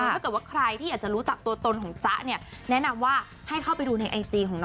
ถ้าเกิดว่าใครที่อยากจะรู้จักตัวตนของจ๊ะเนี่ยแนะนำว่าให้เข้าไปดูในไอจีของน้อง